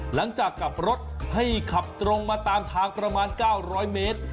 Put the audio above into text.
หลังจากกลับรถให้ขับตรงมาตามทางประมาณ๙๐๐เมตร